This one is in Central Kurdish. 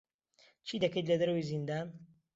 چی دەکەیت لە دەرەوەی زیندان؟